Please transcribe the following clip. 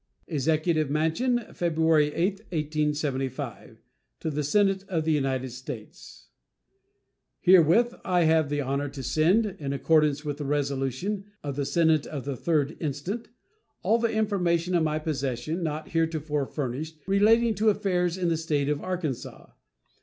EXECUTIVE MANSION, February 8, 1875. To the Senate of the United States: Herewith I have the honor to send, in accordance with the resolution of the Senate of the 3d instant, all the information in my possession not heretofore furnished relating to affairs in the State of Arkansas.